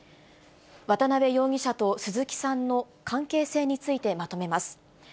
渡辺容疑者と鈴木さんの関係性についてまとめます。